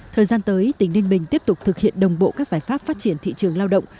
thời gian tới tỉnh ninh bình tiếp tục thực hiện đồng bộ các giải pháp phát triển thị trường lao động